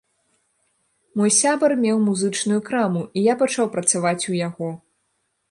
Мой сябар меў музычную краму і я пачаў працаваць у яго.